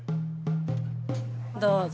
どうぞ。